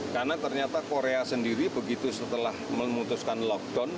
karena ternyata korea sendiri begitu setelah memutuskan lockdown